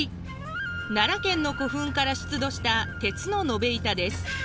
奈良県の古墳から出土した鉄の延べ板です。